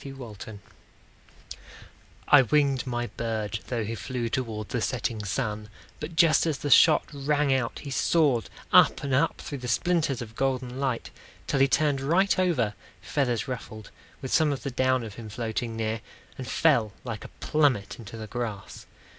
Bert Kessler I winged my bird, Though he flew toward the setting sun; But just as the shot rang out, he soared Up and up through the splinters of golden light, Till he turned right over, feathers ruffled, With some of the down of him floating near, And fell like a plummet into the grass.